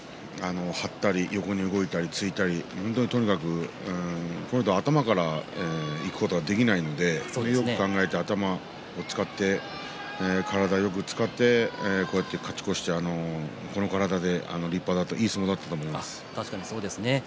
張ったり横に動いたり突いたり本当に頭からいくことができないのでよく考えて頭を使って体をよく使って勝ち越してこの体で立派だといい相撲だったと思います。